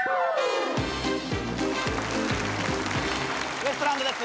ウエストランドです。